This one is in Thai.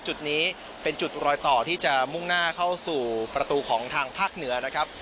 จุดนี้เป็นจุดรอยต่อที่จะมุ่งหน้าเข้าสู่ประตูของทางภาคเหนือนะครับ